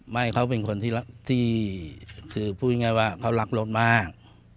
ไม่เขาเป็นคนที่คือพูดง่ายว่าเขารักรถมาก